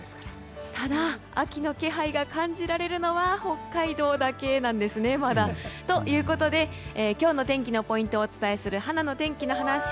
ただ、秋の気配が感じられるのは北海道だけなんですね、まだ。ということで今日の天気のポイントをお伝えするはなの天気のはなし。